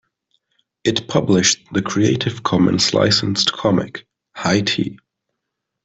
It published the Creative Commons-licensed comic, Hai Ti!